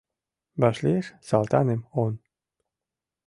Вашлиеш Салтаным он.